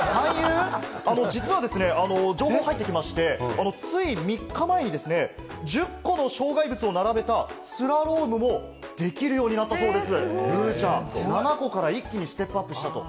実は情報が入ってきまして、つい３日前にですね、１０個の障害物を並べたスラロームもできるようになったそうです。